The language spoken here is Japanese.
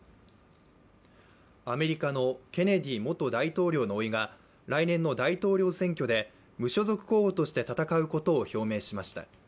アメリカのケネディ元大統領のおいが来年の大統領選挙で、無所属候補として闘うことを表明しました。